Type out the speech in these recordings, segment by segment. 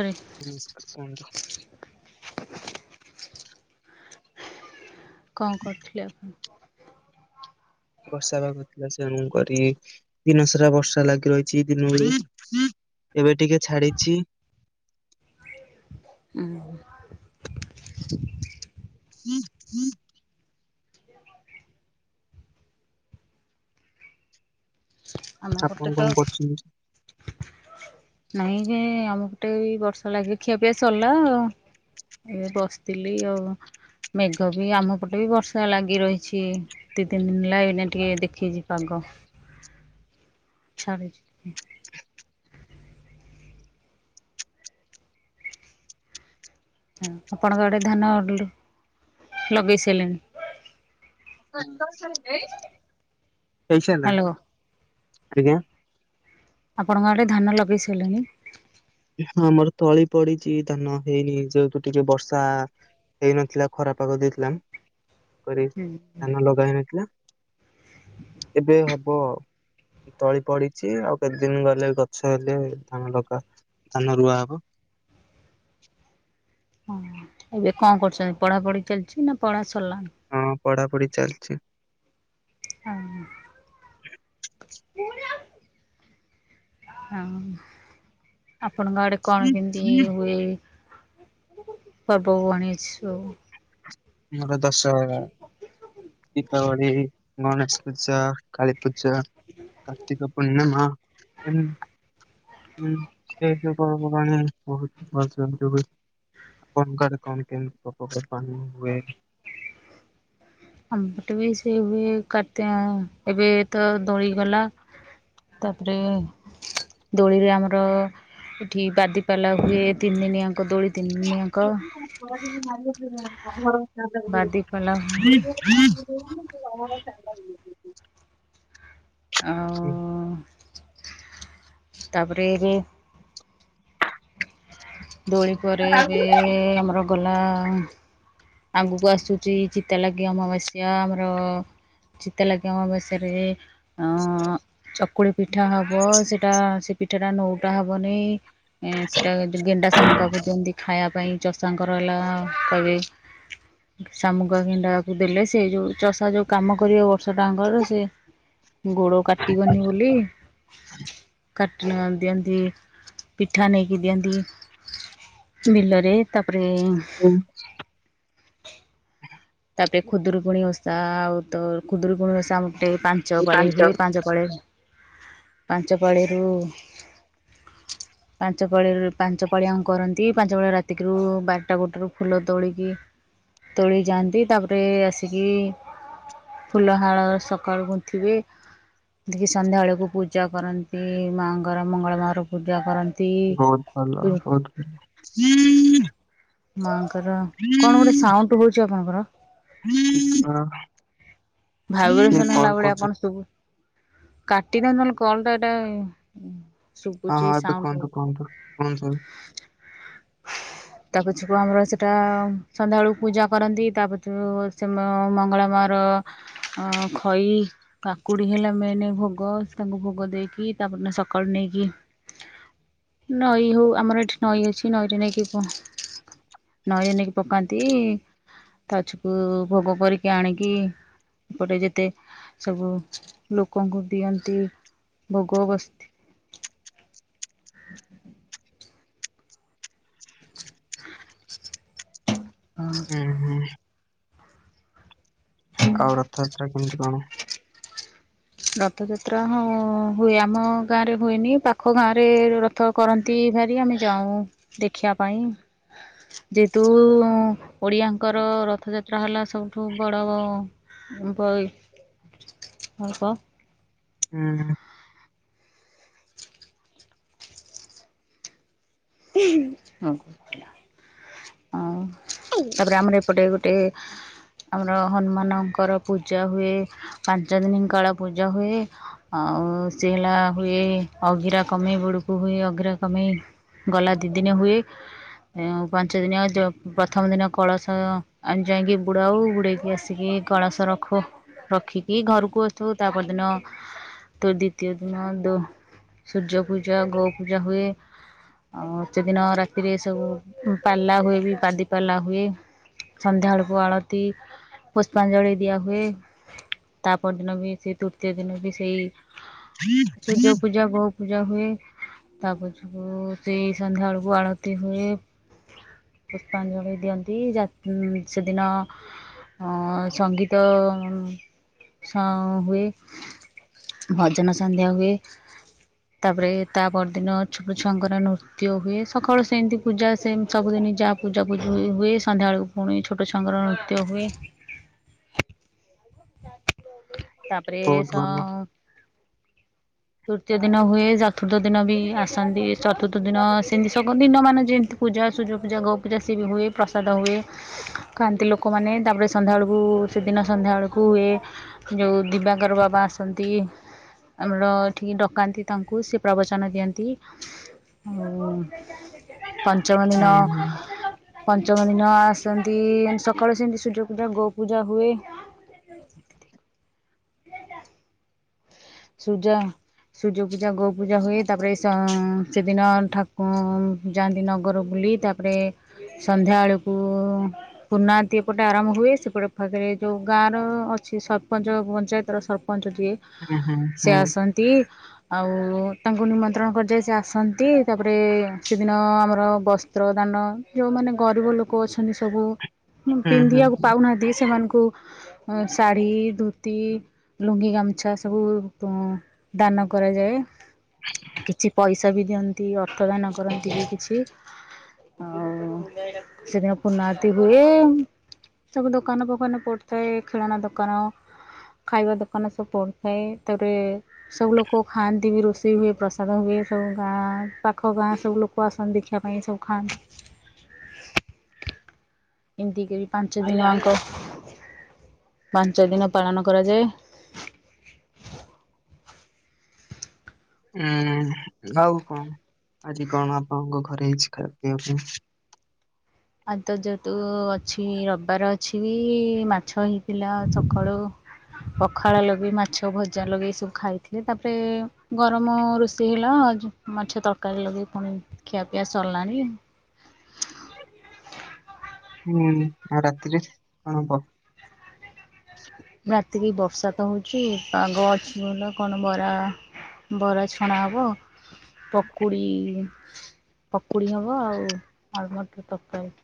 ତରେ ଓ ମିସ୍ କା କା ଆଣିଲ? କଁ କରୁଥୁଲେ ଆପଣ? ବର୍ଷା ପାଗ ଥିଲା ସେଣୁ କରି ଦିନ ସାରା ବର୍ଷା ଲାଗି ରହିଚି ଦିନ ବେଳେ ଏବେ ଟିକେ ଛାଡି଼ଛି। ଉଁ ହୁଁ। ହୁଁ ହୁଁ [inaudible] ଆମ ପଟେ ଆପଣ ତ କଣ କରୁଚନ୍ତି? ନାଇଁ ଯେ ଆମପଟେ ବି ବର୍ଷା ଲାଗି ଖିଆ ପିଆ ସରଲା। ଏବେ ବସଥିଲି ଆଉ ମେଘ ବି ଆମ ପଟେ ବି ବର୍ଷା ଲାଗି ରହିଛି। ଦି ତିିନ୍ ଦିନ୍ ହେଲା ଏଇନା ଟିକେ ଦେଖେଇଚି ପାଗ। ଛାଡ଼ୁଚି। ହଁ ଆପଣଙ୍କ ଆଡ଼େ ଧାନ ଡୁଡ଼ୁ ଲଗେଇ ସାଇଲେଣି? ହେଇ ସାଇଲାଁ ହ୍ୟାଲୋ ଆଜ୍ଞା? ଆପଣଙ୍କ ଆଡ଼େ ଧାନ ଲଗେଇ ସାଇଲେଣି? ଏ ହଁ ଆମର ତଳି ପଡି଼ଚି ଧାନ ହେଇନି ଯହେତୁ ଟିକେ ବର୍ଷା ହେଇନଥିଲା ଖରା ପାଗ ଦେଇଥିଲା, କରି ହୁଁ ଧାନ ଲଗା ହେଇନଥିଲା। ଏବେ ହବ। ଏ ତଳି ପଡି଼ଚି ଆଉ କେତେ ଦିନ ଗଲେ ଗଛ ହେଲେ ଧାନ ଲଗା ଧାନ ରୁଆ ହବ ହଁ ଏବେ କଁ କରୁଚନ୍ତି, ପଢ଼ାପଢ଼ି ଚାଲିଚି ନାଁ ପଢ଼ା ସରଲାଣି? ହଁ ପଢ଼ାପଢ଼ି ଚାଲଚି। ହଁ ହ [inaudible] ପୁଣି ଆଉ ହଁ। ଆପଣଙ୍କ ଆଡ଼େ କଣ କେନ୍ତି ହୁଏ ପର୍ବପବାଣୀ ଏଚ୍ ସଉ? ମୋର ଦଶହରା, ଦୀପାବଳି, ଗଣେଶ ପୂଜା କାଳୀ ପୂଜା କାର୍ତ୍ତିକ ପୂର୍ଣ୍ଣିମା ଏମ୍ ଉଁ ସେ ସଉ ପର୍ବପବାଣୀ ବୋହୁତ୍ ଭଲସେ ଏମିତି ହୁଏ। ଆପଣଙ୍କ ଆରେ କଣ କେମତି ପବ ହୁଏ ପାଣି ଆମପଟେ ବି ସେ ହୁଏ କାର୍ତ୍ତି ଏବେ ତ ଦୋଳିଗଲା। ତାପରେ ଦୋଳିରେ ଆମର ଏଠି ବାଦିପାଲା ହୁଏ, ତିନିଦିନ ଆଙ୍କ ଦୋଳି ତିନି ଦିନ ଆଙ୍କ ଛଅଦିନ ବାଦିପାଲା ହୁଏ। [inaudible] [inaudible] ଆଉ ତାପରେ ଏବେ ଦୋଳି ପରେ ଆ ଏବେ କିଏ ଆମର ଗଲା ଆଗୁକୁ ଆସୁଚି ଚିତାଲାଗି ଅମାବାସ୍ୟା ଆମର ଚିତାଲାଗି ଅମାବାସ୍ୟାରେ ଅଁ ଚ ଚକୁଳି ପିଠା ହବ ସେଇଟା ସେ ପିଠାଟା ନୋଉଟା ହବନି ଏଁ ସେଇଟା ଗେଣ୍ଡା, ଶାମୁକାକୁ ଦିଅନ୍ତି ଖାଇଆ ପାଇଁ ଚଷାଙ୍କର ହେଲା କହିବେ ଶାମୁକା ଗେଣ୍ଡାକୁ ଦେଲେ ସେ ଯୋଉ ଚଷା ଯୋଉ କାମ କରିବ ବର୍ଷା ତାଙ୍କର ସିଏ ଗୋଡ କାଟିିବନି ବୋଲି କାଟ ନା ଦିଅନ୍ତି ପିଠା ନେଇକି ଦିଅନ୍ତି। ବିଲରେ ତାପରେ [inaudible] ତାପରେ ଖୁଦୁରୁକୁୁଣି ଓଷା ଆଉ ତ ଖୁଦୁରୁକୁୁଣି ଓଷା ଆମ ଏଇ ପାଞ୍ଚ ପାଳି ହୁଏ, ପାଞ୍ଚ ପାଳି ପାଞ୍ଚ ପାଳିରୁ [inaudible] ପାଞ୍ଚ ପାଳି ପାଞ୍ଚ ପାଳିଆଙ୍କ କରନ୍ତି, ପାଞ୍ଚ ପାଳି ରାତିକରୁ ବାରଟା ଗୋଟେ ବେଳକୁ ଫୁଲ ତୋଳିକି ତୋଳି ଯାଆନ୍ତି, ତାପରେ ଆସିକି ଫୁଲ ହାଳ ସକାଳୁ ଗୁନ୍ଥିବେ। ଗୁନ୍ଥିକି ସନ୍ଧ୍ୟାବେଳକୁ ପୂଜା କରନ୍ତି ମା ଙ୍କର, ମଙ୍ଗଳ ମାର ପୂଜା କର ବହୁତ ଭଲ ବହୁତ ଭଲ। ମାଙ୍କର କଣ ଗୋଟେ ସାଉଣ୍ଡ ହଉଛି ଆପଣଙ୍କର? ହଁ। ଭାଇବ୍ରେସନ ହେଲା ଭଳିଆ କଣ କରୁଛନ୍ତି ଶୁଭୁ, କାଟିଦିଅ ନହେଲେ କଲ ଟା ଏଇଟା ହଁ ଶୁଭୁଛି ହଁ ଏବେ ସାଉଣ୍ଡ ହଉ କୁହନ୍ତୁ କୁହନ୍ତୁ କଣ ସବୁ? ତା ପଛକୁ ଆମର ସେଟା ସନ୍ଧ୍ୟାବେଳକୁ ପୂଜା କରନ୍ତି, ତା ପଛକୁ ସେ ମ ମଙ୍ଗଳା ମା ର ଖଇ କାକୁଡି ହେଲା ମେନେ ଭୋଗ ତାଙ୍କୁ ଭୋଗ ଦେଇକି ତା ପରଦିନ ସକାଳୁ ନେଇକି ନଈ ହଉ ଆମର ଏଠି ନଈ ଅଛି ନଈରେ ନେଇକି ପ ନଈରେ ନେଇକି ପକାନ୍ତି ତା ପଛକୁ ଭୋଗ କରିକି ଆଣିକି ଏପଟେ ଯେତେ ସବୁ ଲୋକଙ୍କୁ ଦିଅନ୍ତି ଭୋଗ ବସ ହ [inaudible] ଉଁ ହୁଁ। ଆଉ ରଥଯାତ୍ରା କେମିତି କଣ? ରଥଯାତ୍ରା ହଁ ହୁଏ ଆମ ଗାଁରେ ହୁଏନି ପାଖ ଗାଁରେ ର ଥ କରନ୍ତି ଭାରି ଆମେ ଯାଉ ଦେଖିଆ ପାଇଁ। ଯେହେତୁ ଓଡ଼ିଆଙ୍କର ରଥଯାତ୍ରା ହେଲା ସବୁଠୁ ବଡ଼ ବଇ ଅଳ୍ପ। ଉଁ। [unintelligible] ହଁ ତାପରେ ଆମର ଏପଟେ ଗୋଟେ ଆମର ହନୁମାନଙ୍କର ପୂଜା ହୁଏ, ପାଞ୍ଚ ଦିନ କାଳ ପୂଜା ହୁଏ। ଆଉ ସେ ହେଲା ହୁଏ ଅଗିରା କମେଇ ବେଳକୁ ହୁଏ ଅଗିରା କମେଇ। ଗଲା ଦି ଦିନେ ହୁଏ। ଏ ଆଉ ପାଞ୍ଚ ଦିନିଆ ପ୍ରଥମ ଦିନ କଳସ ଆମେ ଯାଇକି ବୁଡାଉ, ବୁଡେଇକି ଆସିକି କଳସ ରଖୁ ରଖିକି ଘରୁକୁ ଆସୁ ତା ପରଦିନ ତ ଦ୍ଵିତୀୟ ଦିନ ତ ସୂର୍ଯ୍ୟ ପୂଜା, ଗୋ ପୂଜା ହୁଏ। ଆଉ ସେ ଦିନ ରାତିରେ ସବୁ ପାଲା ହୁଏ ବି ବାଦି ପାଲା ହୁଏ। ସନ୍ଧ୍ୟାବେଳକୁ ଆଳତି ପୁଷ୍ପାଞ୍ଜଳି ଦିଆ ହୁଏ ତାପ ର ଦିନ ବି ସେ ତୃତୀୟ ଦିନ ବି ସେଇ ସୂର୍ଯ୍ୟ ପୂଜା ଗୋ ପୂଜା ହୁଏ ତାପଛକୁ ସେଇ ସନ୍ଧ୍ୟା ବେଳକୁ ଆଳତି ହୁଏ। ପୁଷ୍ପାଞ୍ଜଳି ଦିଅନ୍ତି ଯାତ ସେଦିନ ହଁ ସଙ୍ଗୀତ ହୁ। ଭଜନ ସନ୍ଧ୍ୟା ହୁଏ ତାପରେ ତା ପରଦିନ ଛୋଟ ଛୁଆଙ୍କର ନୃତ ତ୍ୟ ହୁଏ ସକାଳୁ ସେମିତି ପୂଜା ସେ ସବୁଦିନ ଯାହା ପୂଜା ପୂଜୀ ହୁଏ ସନ୍ଧ୍ୟାବେଳକୁ ପୁଣି ଛୋଟ ଛୁଆଙ୍କର ନୃତ୍ୟ ହୁଏ। ତାପରେ ବହୁତ ସ ଭଲ ତୃତୀୟ ଦିନ ହୁଏ ଚତୁର୍ଥ ଦିନ ବି ଆସନ୍ତି ଚତୁର୍ଥ ଦିନ ସେମିତି ସବୁ ଦିନ ମାନେ ଯେମିତି ପୂଜା ସୂର୍ଯ୍ୟ ପୂଜା ଗୋ ପୂଜା ସ ବି ହୁଏ ପ୍ରସାଦ ହୁଏ। ଖାଆନ୍ତି ଲୋକମାନେ ତାପରେ ସନ୍ଧ୍ୟାବେଳକୁ ସେଦିନ ସନ୍ଧ୍ୟାବେଳକୁ ହୁଏ। ଯଉଁ ଦିବାକର ବାବା ଆସନ୍ତି ଆମର ଠିକି ଡକାନ୍ତି ତାଙ୍କୁ ସେ ପ୍ରବଚନ ଦିଅନ୍ତି ଉମ ପଞ୍ଚମ ହୁଁ ଦିନ ହୁଁ ପଞ୍ଚମ ଦିନ ଆସନ୍ତି ସକାଳେ ସେମିତି ସୂର୍ଯ୍ୟ ପୂଜା ଗୋ ପୂଜା ହୁଏ। ସୂଜ ସୂର୍ଯ୍ୟ ପୂଜା ଗୋ ପୂଜା ହୁଏ ତାପରେ ସେଦିନ ଠାକୁ ଯାଆନ୍ତି ନଗର ବୁଲି ତା ରେ ସନ୍ଧ୍ୟାବେଳକୁ ପୁର୍ଣାହୂତି ଏପଟେ ଆରମ୍ଭ ହୁଏ ସେପଟେ ପାଖରେ ଯୋଉ ଗାଁ ର ଅଛି ସରପଞ୍ଚ ପଞ୍ଚାୟତର ସ ପଞ୍ଚ ଯିଏ ହୁଁ ହୁଁ ସେ ହୁଁ ଆସନ୍ତି ଆଉ ତାଙ୍କୁ ନିମନ୍ତ୍ରଣ କରାଯାଏ ସେ ଆସନ୍ତି ତାପରେ ସେଦିନ ଆମର ବ ସ୍ତ୍ର ଦାନ ଯୋଉମାନେ ଗରିବ ଲୋକ ଅଛନ୍ତି ସବୁ ହୁଁ ହୁଁ ପିନ୍ଧିବାକୁ ହୁଁ। ପାଉନାହାନ୍ତି ସେମାନଙ୍କୁ ସାଢ଼ୀ ଧୋତି ଲୁଙ୍ଗି ଗାମଛା ସବୁ ମ ଦାନ କରାଯାଏ କିଛି ପଇସା ତ ବି ଦିଅନ୍ତି ଅର୍ଥଦାନ କରନ୍ତି ବି କିଛି ହଉ ସେଦିନ ପୁର୍ଣାହୁତି ହୁଏ। ସବୁ ଦୋକାନ ଫୋକାନ ପଡିଥାଏ ଖେଳଣା ଦୋକାନ ଖାଇବା ଦୋକାନ ସବୁ ପଡିଥାଏ ତାପରେ ସବୁ ଲୋକ ଖାଆନ୍ତି ବି ରୋଷେଇ ହୁଏ ପ୍ରସାଦ ହୁଏ ସବୁ ଗାଁ ପାଖ ଗାଁ ସବୁ ଲୋକ ଆସନ୍ତି ଦେଖିବା ପାଇଁ ସବୁ ଖାନ୍ ଏମିତି କରି ପାଞ୍ଚ ଦିନଆଙ୍କ ପାଞ୍ଚ ଦିନ ପାଳନ କରାଯାଏ। ଉୁଁ ଆଉ କଣ ଆଜି କଣ ଆପଣଙ୍କ ଘରେ ହେଇଛି ଖାଇବା ପିଇବା ପାଇଁ? ଆଜ ତ ଯେହେତୁ ଅଛି ରବିବାର ଅଛି ବି ମାଛ ହେଇଥିଲା ସକାଳୁ। ପଖାଳ ଲଗେଇ ମାଛ ଭଜା ଲଗେଇ ଏ ସବୁ ଖାଇଥିଲେ ତାପରେ ଗରମ ରୋଷେଇ ହେଲା। ମାଛ ତରକାରୀ ଲଗେଇ ପୁଣି ଖିଆପିଆ ସରିଲାଣି। [unintelligible] ହୁଁ ଆଉ ରାତିରେ କଣ ହବ? ରାତିକି ବର୍ଷା ତ ହଉଛି ପାଗ ଅଛି ଭଲ କଣ ବରା ବରା ଛଣା ହେବ ପକୁଡ଼ି ପକୁଡ଼ି ହେବ ଆଉ ଆଳୁମଟର ତରକାରୀ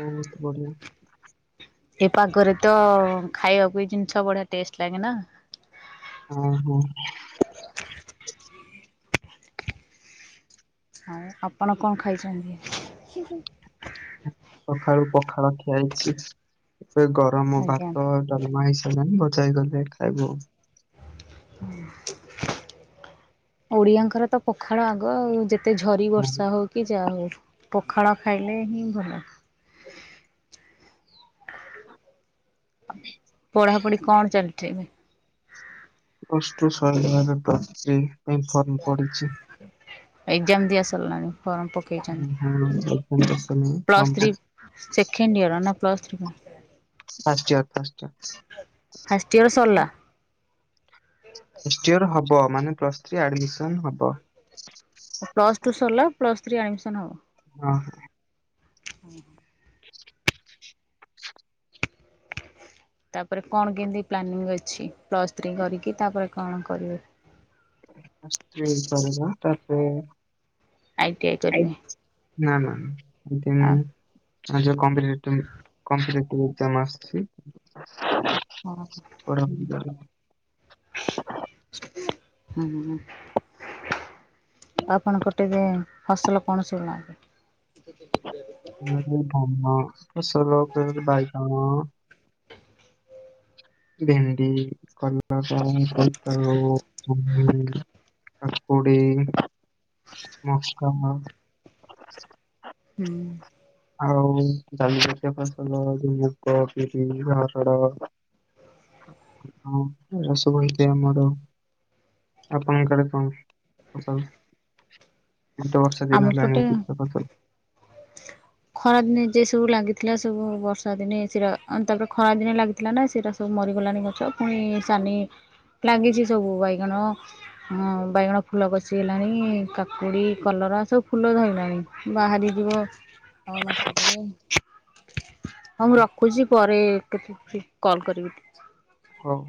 ବହୁତ ବଢିଆ। ଏ ପାଗରେ ତ ଖାଇବାକୁ ଜିନିଷ ବଢିଆ ଟେଷ୍ଟ ଲାଗେ ନା। ହୁଁ ହୁଁ ହିଁ ଆପଣ କଣ ଖାଇଛନ୍ତି? ସଖାଳୁ ପଖାଳ ଖିଆ ହେଇଛି ଏବେ ଗରମ ଆଜ୍ଞା ଭାତ ଡାଲମା ହେଇ ସାଇଲାଣି ଭଜା ହେଇଗଲେ ଖାଇବୁ ଆଉ। ହୁଁ ଓଡିଆଙ୍କର ତ ପଖାଳ ଆଗ ଆଉ ଯେ ତେ ଝରି ଆଉ। ବର୍ଷା ହେଉ କି ଯାହା ହଉ ପଖାଳ ଖାଇଲେ ହିଁ ଭଲ। ହୁଁ ପଢ଼ାପଢ଼ି କଣ ଚାଲିଚି ଏବେ? ଅଷ୍ଟ ଶହ [inaudible] ପାଇଁ ଫର୍ମ ପଡିଚି। ଏକ୍ଜାମ ଦିଆସରଲାଣି। ଫର୍ମ ହଁ ଫାଷ୍ଟ ଇୟର ପକେଇଛନ୍ତି ପ୍ଲସ୍ ଥ୍ରୀ ସେଖେଣ୍ଡ ଇଅର ନା ପ୍ଲସ ଥ୍ରୀ ପା। First year first year. କେଉଁ ସରଲା। ଫାଷ୍ଟ ଇଅର ହବ ମାନେ ପ୍ଲସ ଥ୍ରୀ ଆଡ଼ମିସନ ହବ। ପ୍ଲସ୍ ଟୁ ସରିଲ ପ୍ସସ ଥ୍ରୀ ଆଡମିସନ ହବ। ହଁ ଓଁ ତାପରେ କଣ କେମିତି ପ୍ଲାନିଂ ଅଛି ପ୍ଲସ୍ ଥ୍ରୀ କରିକି ତାପରେ କଣ କରିବ? ପ୍ଲସ ଥ୍ରୀ କରିବା ତାପରେ ଆଇଟି ଆଇ କରିବେ। ନା ନା ନା ଆ ଦେମିନି। ଆଉ ଜଉ କମ୍ବ୍ରିଟ କମ୍ବ୍ରିଟକାମ ଆସିଚି। ହଁ ପଢା ପଢି କରିବି। ହୁଁ ହ ହ [inaudible] ଆପଣଙ୍କର ଟିକେ ଫସଲ କଣ ଶୁଣୁନାହାନ୍ତି। [inaudible] ବାଇଗଣ ଭେଣ୍ଡି କଲରା ବୋଇତାଳୁ ଜହ୍ନି। କାକୁଡ଼ି ମକା। ହୁଁ ଆଉ ଜଲି ଜାତୀୟ ଫସଲ ଯଉ ମୁଗ, ବିରି, ହରଡ। ହଁ ରସ ବହିଥାଏ ଆମର। ଆପଣଙ୍କ ଆଡେ [inaudible] କଣ ଆମ ଦିନଲାଣି ପଟେ କି ଫସ [inaudible] ଖରା ଦିନେ ଯେ ସବୁ ଲାଗିଥିଲା ସବୁ ବର୍ଷା ଦିନେ ସେରା ତାପରେ ଖରା ଦିନେ ଲାଗିଥିଲା ନା ସେରା। ସବୁ ମରିଗଲାଣି ଗଛ ପୁଣି ସାନି ଲାାଗିଛି ସବୁ ବାଇଗଣ। ହ ବାଇଗଣ ଫୁଲ କଷି ହେଲାଣି କାକୁଡି କଲରା ସବୁ ଫୁଲ ଧଇଲାଣି। ବାହାରି ଯିବ। ଆଉ ମାସେକେରେ ଆଉ। ହଁ ମୁଁ ରଖୁଛି ପରେ କେତେ ଫ୍ରି କଲ କରିବି। ହଁ।